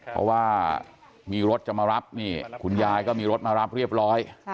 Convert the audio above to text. เพราะว่ามีรถจะมารับนี่คุณยายก็มีรถมารับเรียบร้อย